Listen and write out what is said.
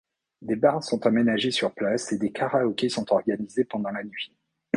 Des bars sont aménagés sur place et des karaokés sont organisés pendant la nuit.